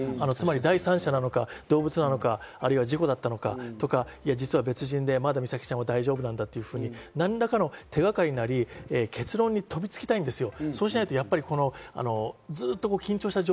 つまり第三者なのか、動物なのか、あるいは事故だったのかとか、別人で、まだ美咲ちゃんは大丈夫なんだというふうに、何らかの手がかりなり結論に飛びつきたいんですよ。